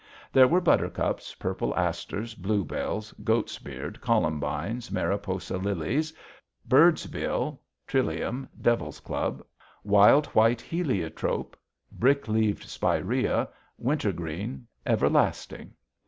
There were buttercups, purple asters, bluebells, goat's beard, columbines, Mariposa lilies, bird's bill, trillium, devil's club, wild white heliotrope, brick leaved spirea, wintergreen, everlasting.